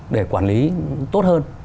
để quản lý tốt hơn